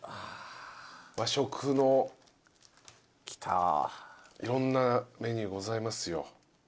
和食のいろんなメニューございますよ。